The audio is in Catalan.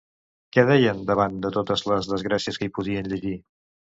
Què deien davant de totes les desgràcies que hi podien llegir?